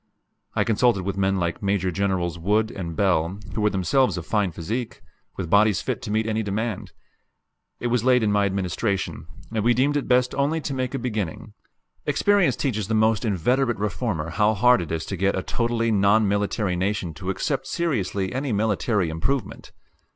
I consulted with men like Major Generals Wood and Bell, who were themselves of fine physique, with bodies fit to meet any demand. It was late in my administration; and we deemed it best only to make a beginning experience teaches the most inveterate reformer how hard it is to get a totally non military nation to accept seriously any military improvement.